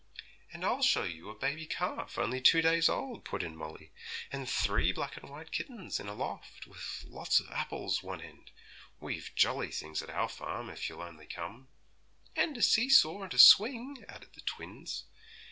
'And I'll show you a baby calf only two days old,' put in Molly, 'and three black and white kittens in a loft, with a lot of apples one end. We've jolly things at our farm, if you'll only come.' 'And a see saw and a swing,' added the twins.